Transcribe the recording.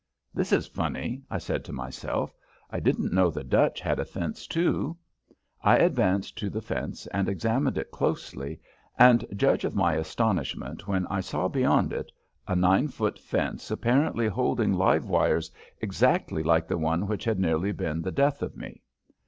"This is funny," I said to myself. "I didn't know the Dutch had a fence, too." I advanced to the fence and examined it closely, and judge of my astonishment when I saw beyond it a nine foot fence apparently holding live wires exactly like the one which had nearly been the death of me!